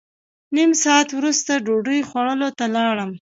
نیم ساعت وروسته ډوډۍ خوړلو ته لاړم.